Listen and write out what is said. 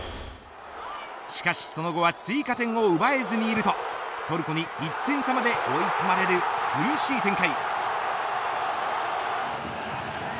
しかし、その後は追加点を奪えずにいるとトルコに１点差まで追い詰められる苦しい展開。